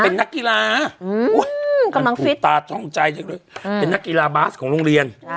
เป็นนักกีฬาเป็นนักกีฬาบาสของโรงเรียน